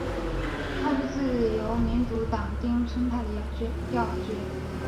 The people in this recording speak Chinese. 他是自由民主党町村派的要角。